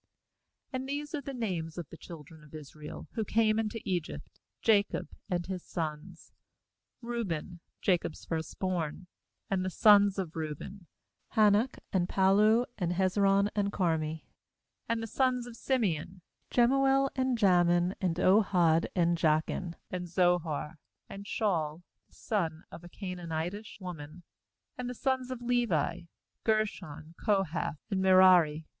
8And these are the names of the children of Israel, who came into Egypt, Jacob and his sons: Reuben, Jacob's first born. 9And the sons of Reuben: Hanoch, and Pallu, and Hezron, and Carmi. 10And the sons of Simeon: Jemuel, and Jamin, and Ohad, and Jachin, and Zohar, and Shaul the son of a Canaanitish woman. uAnd the sons of Levi: Gershon, Kohath, and Merari.